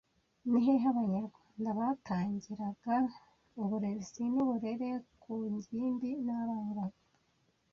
Ni hehe Abanyarwanda batangiraga uburezi n’uburere ku ngimbi n’abangavu